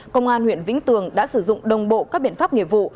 công an huyện vĩnh tường đã sử dụng đồng bộ các biện pháp nghiệp vụ